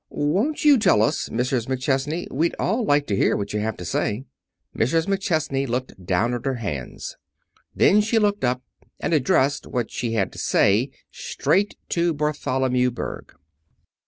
"Won't you tell us, Mrs. McChesney? We'd all like to hear what you have to say." Mrs. McChesney looked down at her hands. Then she looked up, and addressed what she had to say straight to Bartholomew Berg.